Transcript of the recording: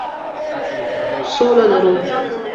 سوله لرو.